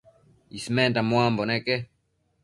Ismenda muambo neque